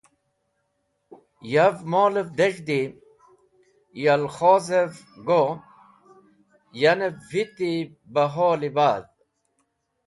Yav molev dez̃hdi, kalkhozev go, yanev viti ba hol-e badh.